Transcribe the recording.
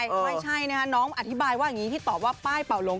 ไม่ใช่นะคะน้องอธิบายว่าอย่างนี้ที่ตอบว่าป้ายเป่าหลง